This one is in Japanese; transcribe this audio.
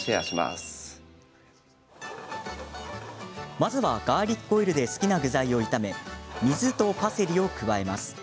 まずは、ガーリックオイルで好きな具材を炒め水とパセリを加えます。